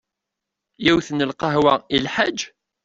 Yiwet n lqahwa i lḥaǧ?